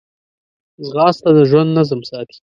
ځغاسته د ژوند نظم ساتي